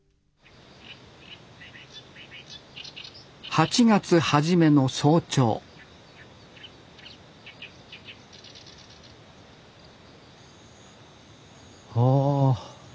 ８月初めの早朝おお。